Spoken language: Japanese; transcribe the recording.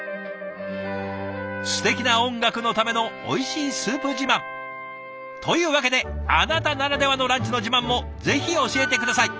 すてきな音楽のためのおいしいスープ自慢。というわけであなたならではのランチの自慢もぜひ教えて下さい。